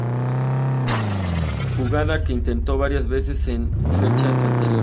Jugada que intentó varias veces en fechas anteriores.